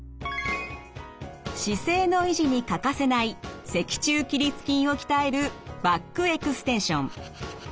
姿勢の維持にかかせない脊柱起立筋を鍛えるバックエクステンション。